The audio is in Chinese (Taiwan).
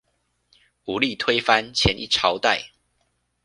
武力推翻前一朝代